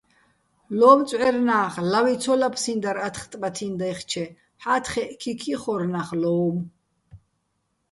ლო́მწვჵერნა́ხ ლავი ცო ლაფსინდარ ათხ ტბათი́ნი̆ დაჲხჩე, ჰ̦ა́თხეჸ ქიქ იხორ ნახ ლო́უმო̆.